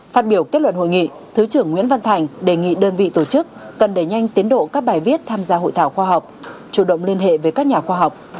phát biểu kết luận hội nghị thứ trưởng nguyễn văn thành đề nghị đơn vị tổ chức cần đẩy nhanh tiến độ các bài viết tham gia hội thảo khoa học chủ động liên hệ với các nhà khoa học